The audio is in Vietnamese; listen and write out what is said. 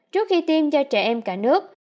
trước khi tiêm cho trẻ em cả nước